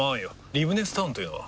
リブネスタウンというのは？